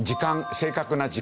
正確な時間。